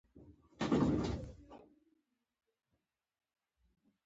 زه د غرونو لوړې څوکې ګورم.